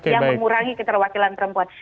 yang mengurangi keterwakilan perempuan